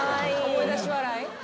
思い出し笑い？